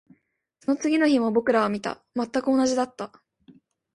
その次の日も僕らは見た。全く同じだった。